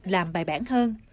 làm bài bản hơn